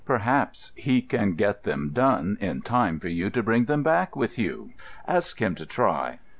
Perhaps he can get them done in time for you to bring them back with you. Ask him to try."